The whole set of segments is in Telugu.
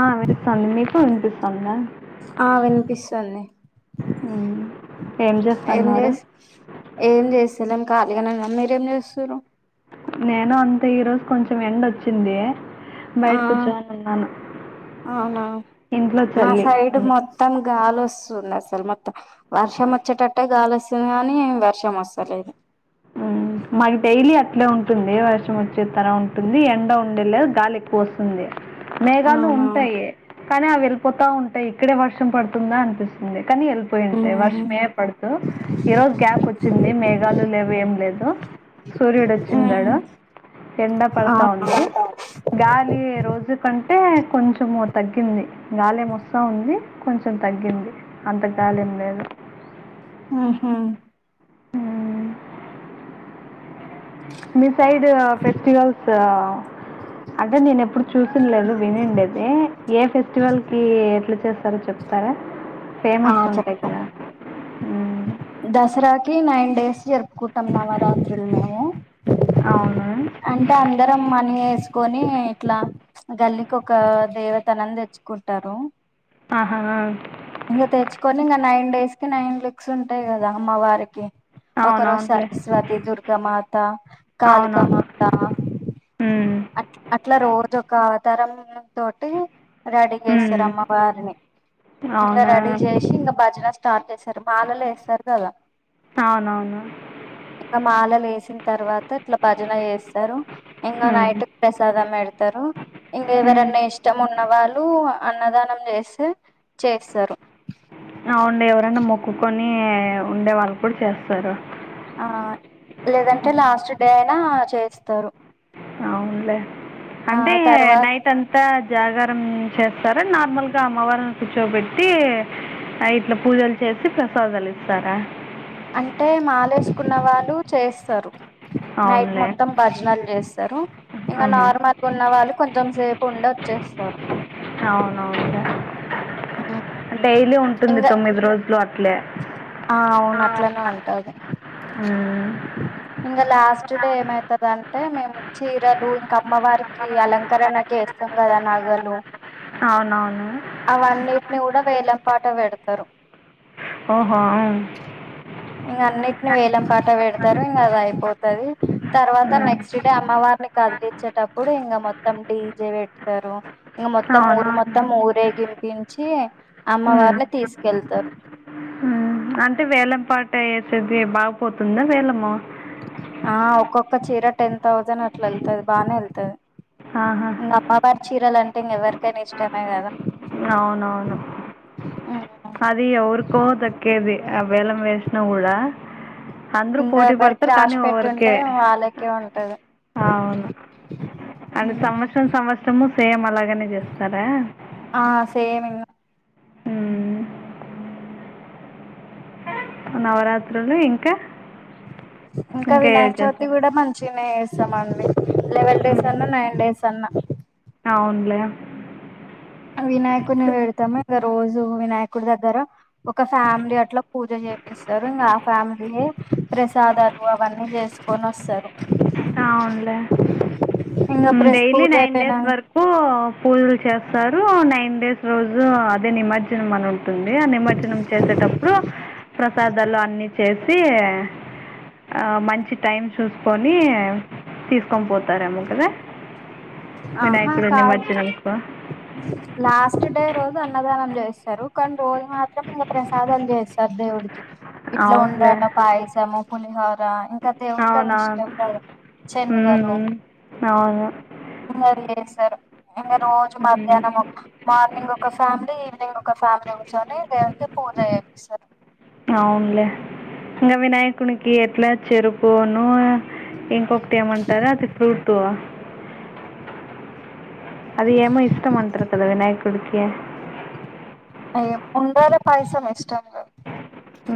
ఆ విన్విస్తంది నీకు వినిపిస్తంద ఆ వినిపిస్తుంది మ్మ్. ఏం చేస్ ఏం చేస్తలేం ఖాళీగానే ఉన్నా మీరేం చేస్తూరు. నేను అంత ఈ రోజు కొంచెం ఎండా వచ్చింది ఆ బయట కూర్చోని ఉన్నాను. అవునా ఇంట్లో చల్లి అ గాలోస్తుంది అసలు మెత్తం వర్షం వచ్చేటట్టే గాలి వస్తుంది. కానీ వర్షం వస్తలేదు. మాకు డైలీ అట్లే ఉంటుంది. వర్షం వచ్చేత్త నా ఉంటు టుంది ఎండ ఉండే లేదు గాలి ఎక్కువ వస్తుంది. మేఘాలు అవునా ఉంటాయి కానీ అవి వెళ్ళిపోతా ఉంటాయి. ఇక్కడే వర్షం పడుతుందా అనిపిస్తుంది. కానీ వెళ్ళిపోయి ఉంటాయి. ఉమ్, వర్షమే పడతు ఈ రోజు గ్యాప్ వచ్చింది. మేఘాలు లేవు ఏం లేదు. సూర్యుడు ఉమ్, వచ్చిండడు ఎండ పడతా అవునా? ఉంది. గాలి రోజు కంటే కొంచెము తగ్గింది. గాలేమొస్తా ఉంది. కొంచెం తగ్గింది. అంతగాలీ ఎం లేదు ఉహ్ హ్మ్. మీ సైడ్ ఫెస్టివల్స్ అంటే నేను ఎప్పుడు చూసింది లేదు వినిండేది ఏ ఫెస్టివల్ కి ఎట్లా చేస్త రు చెప్తారా ఆ ఫేమస్ ఉంటాయి చెప్తా కదా మ్మ్. దసరాకి నైన్ డేస్ జరుపుకుంటాం నవరాత్రులు మేము అవును అంటే అందరం మనీ వేసుకొని ఇట్లా గల్లికి ఒక దేవతను తెచ్చుకుంటారు. ఆహా ఇంకా తెచ్చుకొని ఇంకా నైన్ డేస్ కి నైన్ లిక్స్ ఉంటాయి. కదా అమ్మ వారికి ఒక రోజు అవునవునులే సరస్వతి దుర్గా మాత కాళిక అవునవును మాత మ్మ్. అట్లా అట్లా రోజు ఒక ఆవతారం తోటి రెడీ చేస్తారు మ్మ్. అమ్మ వారిని ఇంగ అవునా రెడీ చేసి ఇంకా భజన స్టార్ట్ చేస్తరు మాలలు వేస్తారు కదా అవునవును ఇంకా మాలలు వేసిన తర్వాత ఇట్లా భజన చేస్తారు. ఇంకా మ్మ్. నైట్ ప్రసాదం పెడతారు. ఇంక ఎవరూ మ్మ్. ఇష్టం ఉన్న వాళ్ళు అన్నదానం చేసి చేస్తారు అవుండే ఎవరైనా మొక్కుకొని ఉండే వాళ్ళు కూడా చేస్తారు ఆ లేదంటే లాస్ట్ డే అయినా చేస్తారు. అవునులే ఆ అంటే ఇగా తర్వాత నైట్ ఎంతా జాగరణ చేస్తార నార్మల్గా అమ్మవారిని కూర్చోబెట్టి ఆ ఇట్లా పూజలు చేసి ప్రసాదాలు ఇస్తారా అంటే మాలేసుకున్న వాళ్ళు చేస్తారు నైట్ అవునులే మొత్తం భజనాలు చేస్తారు ఇంకా ఉహు. నార్మల్గా ఉన్న వాళ్ళు కొంచెం సేపు ఉండే వచ్చేస్తారు అవునవును డైలీ ఉంటుంది ఇంకా తొమ్మిది రోజులు అట్లే ఆ అవును అట్లనే ఉంటది మ్మ్. ఇంకా లాస్ట్ డే ఏమైతదాంటే మేము చీరలు ఇంక అమ్మవారికి అలంకరణ చేస్తాం కదా నగలు అవునవును అవన్నిటిని కూడా వేలం పాట పెడతారు ఓహో ఇంగ అన్నింటిని వేలం పాట పెడతారు ఇంక అది అయిపో తది తర్వాత మ్మ్. నెక్స్ట్ డే అమ్మవారిని కదిలిచ్చ టప్పుడు ఇంగ మొత్తం డీజే పెడుతరు ఇంగ మొత్తం ఊరు అవునవును మొత్తం ఊరేగిం దించి మ్మ్. అమ్మవారిని తీసుకెళ్తారు మ్మ్. అంటే వేలం పాట వేసేది బాగుపోతుందా వేలము ఆ ఒక్కొక్క చీర టెన్ థౌజండ్ అట్లా వెళ్తది బాగానే వెళ్తది ఆహా ఇంకా అమ్మవారి చీరలు అంటే ఇంకెవరికైనా ఇష్టమే కదా అవునవును అది ఎవరికో దక్కేది వేలం వేసిన కూడా అందరు ఇంకా పోటీ ఎవరికి పడతారు కానీ రాసి పెట్టుంటే ఓవర్కే వాళ్ళకే ఉంటది అవును అంటే సంవత్సరం సంవత్సరము సేమ్ అలాగనే చేస్తారా ఆ సేమ్ ఇంగ హు నవరాత్రులు ఇంకా ఇంకా ఏవి వినాయక చవితి చేస్తారు? కూడా మంచినే చేస్తామండి లెవెన్ డేస్ హ్మ్. అన్నా నైన్ డేస్ అన్నా అవునులే వినాయకుడిని వెడతాము ఇంక రోజు వినాయకుడి దగ్గర ఒక ఫ్యామిలీ అట్లా పూజ చేపి స్తారు ఇంకా ఆ ఫ్యామిలీయే ప్రసాదాలు అవన్నీ చేసుకొని వస్తారు అవునులే ఇంకా ప్రెస్ డైలీ పూజ నైన్ అయిపోయినా డేస్ వరకు పు పూజలు చేస్తారు నైన్ డేస్ రోజు అదే నిమజ్జనం మనుం తుంది ఆ నిమజ్జనం చేసేటప్పుడు ప్రసాదాలు అన్ని చేసి ఆ మంచి టైమ్ చూసుకొని తీసుకొని పోతారేమో కదా వినాయకుడి నిమార్జనంకు హు లాస్ట్ డే రోజు అన్నదానం చేస్తారు కానీ రోజు మాత్రం ఇంకా ప్రసాదం చేస్తారు దేవుడి ఇట్లా అవునులే ఉండ్రాల పాయసము పులిహోర ఇంకా దేవుడికి అవి అవునవును ఇష్టం కదా చనగలు ఉమ్, అవును ఇంగ చేస్తారు ఇంగ రోజు ఉమ్. మధ్యాహ్నం ఒక మార్నింగ్ ఒక ఫ్యామిలీ ఈవినింగ్ ఒక ఫ్యామిలీ కూర్చొని దేవునికి పూజ చేపిస్తారు అవునులే ఇంకా వినాయకునికి ఎట్లా చెరుపును ఇంకొకటి ఏమంటారు అది ఫ్రూట్ అది ఏమో ఇష్టంమంటారు కదా వినాయకుడికి అయ్య ఉండ్రల పాయసం ఇష్టం కా ఆ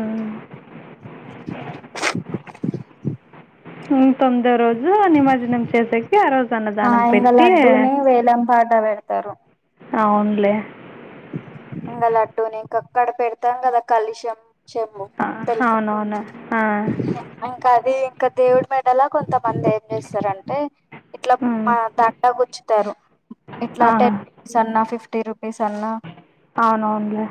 ఆ తొమ్మిదో రోజు నిమర్జనం చేసేకి ఆ రోజు ఆ అన్నదానం ఇంగ పెట్టి లడ్డూని వేలం పాట పెడతారు అవునులే ఇంగ లడ్డు నీ కక్కడ పెడతాం కదా కలిషం అ అవునువును ఆ ఇంకా అది ఇంకా దేవుడి మేడలా కొంతమంది ఏం చేస్తారంటే ఇట్లా హ్మ్. ఆ దంట గుచ్చుతారు ఇట్లా ఆహా! టెస్స్ అన్నా ఫిఫ్టీ రూపీస్ అన్నా అవునువునులే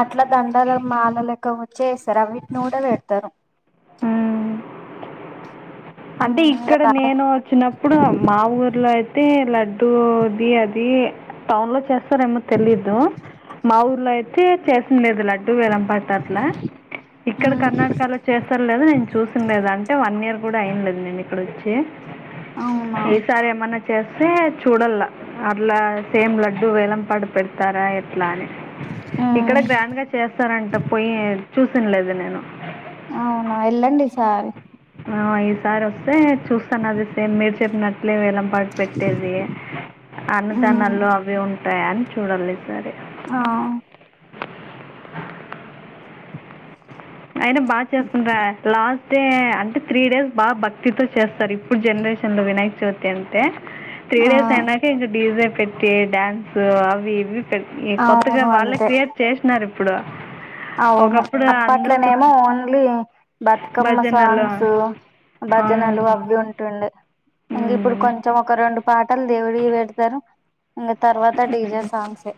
అట్లా దండలు మాల లెక్క వచ్చే వేస్తారు అ వీటిని కూడా పెడతరు హ్మ్. అంటే ఇక్కడ ఇంగ నేను చినప్పుడు మా ఊర్లో అయితే లడ్డూది అది టౌన్ లో చేస్తార ఏమో తెలిదు మా ఊర్లో అయితే చేసిండేది లా డ్డు వేలం పాట అట్లా ఇక్కడ కర్ణాటకలో చేస్తారోలేదో నేను చూసిండేది అంటే వన్ ఇయర్ అయిండదు నేను ఇక్కడ వచ్చి అవునా ఈసారి ఏమన్నా చెస్తే చూడల్లా అట్లా సేమ్ లడ్డు వేలంపాట పెడతారా ఎట్లా అని ఇక్కడ గ్రాండ్ గా చేస్తారంట పోయి చూసిన్లేదు నేను అవునా ఏళ్ళండి ఈసారి ఆ ఈసారి వస్తే చూస్తాను అది సేమ్ మీరు చెప్పినట్లే వేలంపాట పెట్టేది అన్నదానాల్లో అవే ఉంటాయా అని చూడల్లా ఈ సారీ ఆ అయినా బా చేసుకుంటారు అట్లా తే అంటే త్రీ డేస్ బాగా భక్తితో చేస్తారు ఇప్పుడు జనరేషన్ లో వినాయక చవితి అంటే ఆ త్రీ డేస్ అయినాక ఇంక డీజే పెట్టి డ్యాన్సు అవి ఇవి చేట్ ఈ కొత్తగా అవును వాళ్ళే అంతే క్రియేట్ చేసినారు ఇప్పుడు అవును ఒకప్పుడు అందరూ అప్పట్లోనేమో కూర్చొ ఓన్లీ బతుకమ్మ భజనలు సాంగ్స్ భజనలు అవును. అవి ఉంటుండే ఇంగ ఇప్పుడు హ్మ్. కొంచెం ఒక రెండు పాటలు దేవుడి పెడతారు ఇంగ తర్వాత డీజే సాంగ్స్ ఏ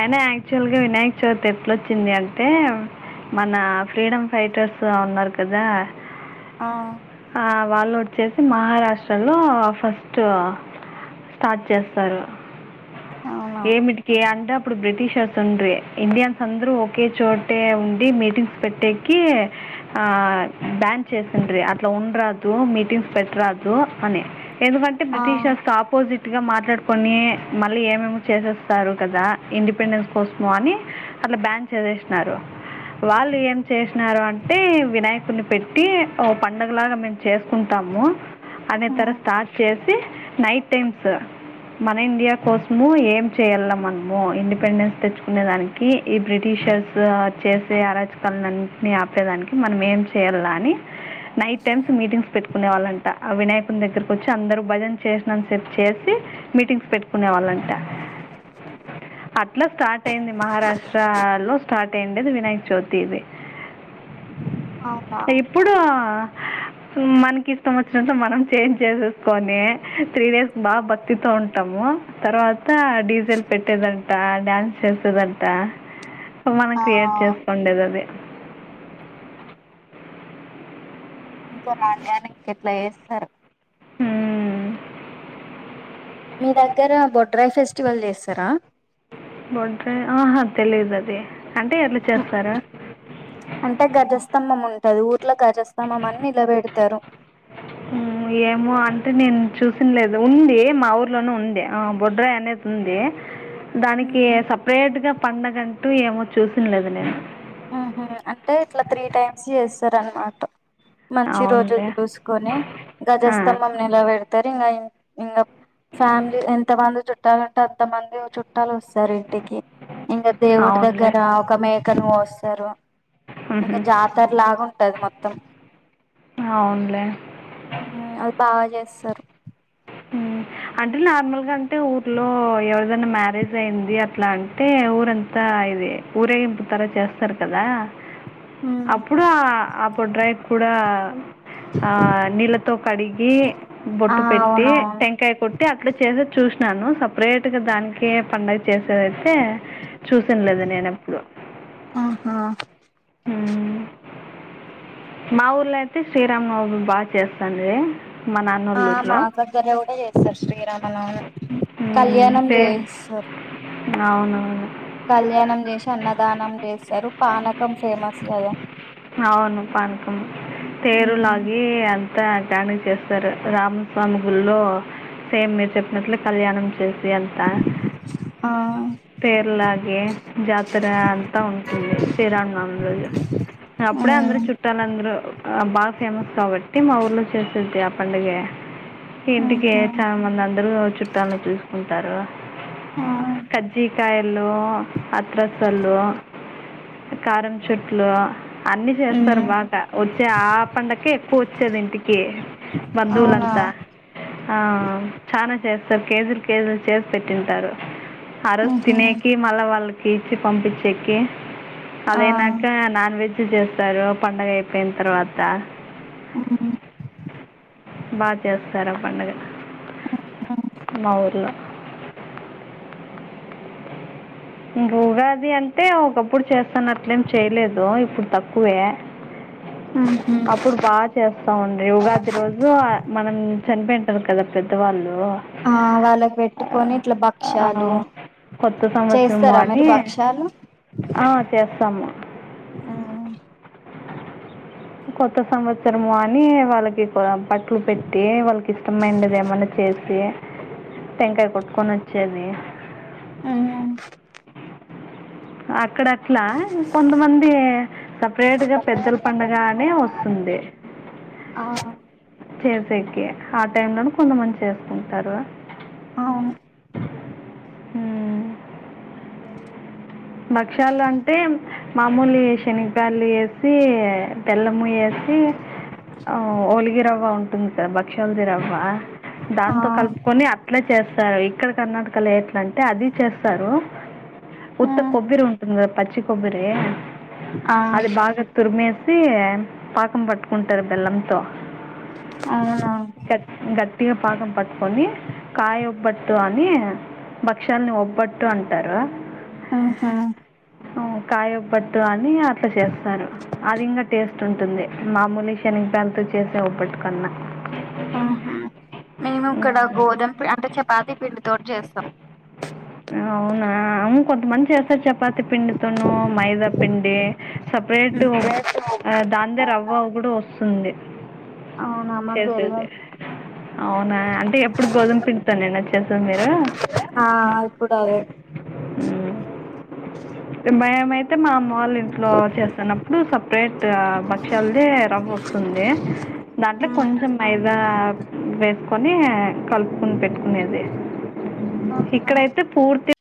అయినా యాక్చువల్ గా వినాయక్ చవితి ఎట్ల వచ్చింది అంటే మన ఫ్రీడమ్ ఫైటర్స్ ఉన్నారు కదా ఆ ఆ వాళ్ళు వచ్చేసి మహారాష్ట్రలో ఆ ఫస్ట్ స్టార్ట్ చేస్తారు అవునా ఏమిటికి అంటే ఇప్పుడు బ్రిటిషర్స్ ఉండ్రి ఇండియన్స్ అందరూ ఒకే చోటే ఉండి మీటింగ్స్ పెట్టేకి ఆ బ్యాన్ చేసిండ్రీ ఆ ఇట్లా ఉండ్రాదు మీటింగ్స్ పెట్టరాదు అని ఎందుకంటే ఆ బ్రిటిషర్ టాప్ అపోజిట్గా మాట్లాడుకొని మళ్ళీ ఏమేమో చేసేస్తారు కదా ఇండిపెండెన్స్ కోసము అని అట్లా బ్యాన్ చేసేసినారు వాళ్ళు ఏం చేసినారు అంటే వినాయకుడిని పెట్టి ఆ పండగలాగా మేము చేసుకుంటాము అనే తర ఉమ్, స్టార్ట్ చేసి నైట్ టైమ్స్ మన ఇండియా కోసము ఏం చేయ్యల మనము ఇండిపెండెన్స్ తెచ్చుకునే దాని కి ఈ బ్రిటిషర్స్ చేసే అరాచకాలనీటిన్ని ఆపేదానికి మనం ఏం చేయలా అని నైట్ టైమ్స్ మీటింగ్స్ పెట్టుకునే వాళ్ళంట ఆ వినాయకుని దగ్గరకి వచ్చి అందరూ భజన చేసినంత సేపు చేసి మీటింగ్స్ పెట్టుకునే వాళ్ళంట అట్లా స్టార్ట్ అయింది మహారాష్ట్ర లో స్టార్ట్ అయిండేది వినాయక చవితి ఇది అవునా ఇప్పుడు మనకి ఇష్టం వచ్చినట్టు మనం చేంజ్ చేసేసుకొని త్రీ డేస్ బాగా భక్తితో ఉంటాము తర్వాత డీజే పెట్టేదంట డ్యాన్స్ చేసేదంట ఆ మనం క్రియేట్ చేసుకోండేది అది ఆ ఇంకా రాను రాను ఎట్లా చేస్తారో మ్మ్. మీ దగ్గర బొడ్రాయ ఫెస్టివల్ చేస్తారా బొడ్రాయి ఆహా తెలీదు అది అంటే ఎట్లా చేస్తారా అంటే గజస్తంభం ఉంటది ఊర్లో గజస్తంభం అని నిలబెడతారు ఏమో అంటే నేను చూసిన లేదు ఉంది మా ఊర్లోనే ఉంది ఆ బొడ్రాయ అనేది ఉంది ఆ దానికి సపరేట్ గా పండగంటూ ఏమో చూసినలేదు నేను హ అంటే ఇట్లా త్రీ టైమ్స్ చేస్తారు అన్నమాట మంచి రోజులు అవునులే చూసీ కొని ఆ గజస్తంభం నిలా పెడతారు ఇంకా ఇంకా ఫ్యామిలీ ఎంత మంది చుట్టాలూన్టే అంతమంది చుట్టాలు వస్త ఇంటికి ఇంకా దేవుడి అవునులే దగ్గర ఒక మేకను కోస్తారు ఉహు ఇంకా జాతర లాగా ఉంటది మొత్తం అవునులే ఉమ్, అది బాగా చేస్తారు ఉమ్ అంటే నార్మల్ గా అంటే ఊర్లో ఎవరిదైనా మ్యారేజ్ అయింది అట్లా అంటే ఊరంతా ఇది ఊరేగింపు తర చేస్తారు కదా ఉమ్. అప్పుడు అ బొడ్రాయి కూడా ఆ నీళ్ళతో కడిగి బొట్టు పెట్టి అవును వెంకాయ కొట్టి అట్లా చేసే చూసినాను సపరేట్ గా దానికి పండగ చేసేదైతే చూసంలేదు నేను ఎప్పుడు ఆహా అ మా ఊర్లో అయితే శ్రీరాంనవమి బాగా చేస్తాంది ఆ మాదగర కూడా చేస్తారు శ్రీరామనవమి కళ్యాణం చేయిస్తారు అవునవును కళ్యాణం చేసి అన్నదానం చేస్తారు పానకం ఫేమస్ కదా అవును పానకం తేరుల మ్మ్ గి అంతా గాని చేస్తారు రామస్వామి గుల్లో సేమ్ మీరు చెప్పినట్లు కళ్యాణం చేసి అంత ఆ పేర్లాగే జాతర అంతా ఉంటుంది శ్రీరామానవమి రోజు అప్పుడే అందరు మ్మ్ చుట్టాలాందరు బాగా ఫేమస్ కాబట్టి మా ఊర్లో చేసేది పండగే ఇంటికి ఆహా చాలా మంది అందరూ చుట్టాలను చూసుకుంటారు ఆ కజ్జికయలు అత్రసలు కారం చెట్లు అన్ని చేస్తారు మ్మ్ బాట వచ్చే ఆ పండకే ఎక్కువ వచ్చేది ఇంటికి అవునా బంధువులంతా ఆ చనా చేస్తారు కేజీలు కేజీలు చేసి పెట్టింటారు ఆరోజు మ్మ్ తినేకి మళ్ళా వాళ్ళకి ఇచ్చి పంపించేకి ఆ అదైనాక నాన్ వెజ్ చేస్తారు పండగ అయిపోయిన తర్వాత మ్మ్ బా చేస్తారా పండగ మా ఊర్లో ఇంకా ఉగాది అంటే ఒకప్పుడు చేస్తానట్లేం చేయలేదు ఇప్పుడు తక్కువే మ్ హు హు అప్పుడు బాగా చేస్తా ఉండ్రి ఉగాది రోజు మనం చనిపోయింటారు కదా పెద్దవాళ్ళు ఆ వాళ్ళకి పెట్టుకొని ఇట్లా ఆ, భక్ష్యాలు కొత్త సంవత్సరము చేస్తారా మీరు అని భక్షాలు ఆ చేస్తాము మ్మ్ కొత్త సంవత్సరము అని వాళ్ళకి ఇప్ బట్టలు పెట్టి వాళ్ళకి ఇష్టమైండేది ఏమన్నా చేస్త ది టంకాయ కొట్టుకొని వచ్చేది ఆ అక్కడ అట్లా మ్ కొంతమంది సపరేట్ గా పెద్దల పండగ అనే వస్తుంది ఆ చేసేకి ఆ టైమ్ లోనే కొంతమంది చేసుకుంటారు అవును ఉమ్. భక్షాలు అంటే మామూలు శనగబెల్లు ఏసి బెల్లము ఏసి ఆ ఓలిగి రవ్వ ఉంటుంది సార్ బక్షల్ది రవ్వ ఆ దాంతో కలుపు కొని అట్లే చేస్తారు ఇక్కడ కర్ణాటకలో ఎట్ల అంటే అది చేస్తారు ఆ ఉత్త కొబ్బరి ఉంటుంది కదా పచ్చి కొబ్బరి ఆ అది బాగా తురిమేసి పాకం పట్టుకుంటారు బెల్లంతో అవునా గ గట్టిగా పాకం పట్టుకొని కాయోబట్టు అని భక్షాలని ఒబ్బట్టు అంటారు ఆహా కాయోబట్టు అని అట్లా చేస్తారు అది ఇంకా టేస్ట్ ఉంటుంది మామూలు శనగబేళా తో చేసే ఓబట్టు కన్నా ఆహా మేము ఇక్కడ గోధుమ అంటే చపాతి పిండితోటి చేస్తాం అవునా అవును కొంతమంది చేస్త తో చపాతి పిండితోను మైదా పిండి సపరేట్ ఉమ్ అద్ దాందే రవ్వ అవి కూడా వస్తుంది అవును అవునా అంటే ఎప్పుడు గోధుమ పిండితోనేనా చేసేది మీరు ఆ ఎప్పుడు అదే మ్ మేమైతే మా అమ్మ వాళ్ళు ఇంట్లో చేస్తానం ఇప్పుడు సపరేట్ భక్ష్యాలదే రవ్వొస్తుంది. దాంట్లో ఉమ్ కొంచెం మైదా వేసుకొని కలుపుకుని పెట్టుకునేది ఆహా ఇక్కడైతే పూర్తి